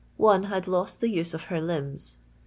1 had lost the UBS of her limbs.